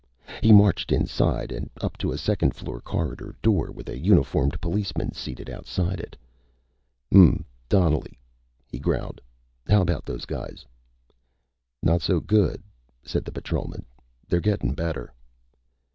He marched inside and up to a second floor corridor door with a uniformed policeman seated outside it. "Hm m m. Donnelly," he growled. "How about those guys?" "Not so good," said the patrolman. "They're gettin' better."